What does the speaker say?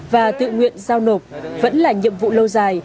và tự nguyện giao nộp vẫn là nhiệm vụ lâu dài